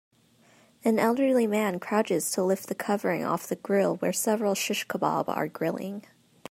An Elderly man crouches to lift the covering off the grill wear several shish kabab are grilling.